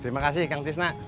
terima kasih kang cisna